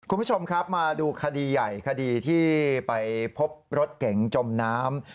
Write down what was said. คุณผู้ชมครับมาดูคดีใหญ่คดีที่ไปพบรถเก๋งจมน้ำ